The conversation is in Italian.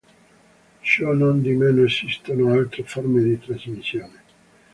Ciò non di meno esistono altre forme di trasmissione.